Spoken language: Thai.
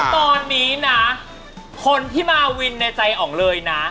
ตอนนี้นะคนที่มาวินในใจอ๋องเลยนะ